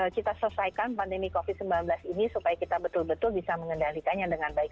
kita selesaikan pandemi covid sembilan belas ini supaya kita betul betul bisa mengendalikannya dengan baik